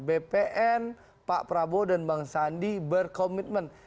bpn pak prabowo dan bang sandi berkomitmen